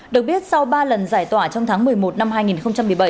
được biết sau ba lần giải tỏa trong tháng một mươi một năm hai nghìn một mươi bảy